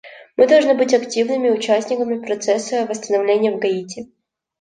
Мы должны быть активными участниками процесса восстановления в Гаити.